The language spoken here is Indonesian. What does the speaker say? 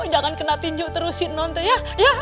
jangan kena tinjuk terus si nonte ya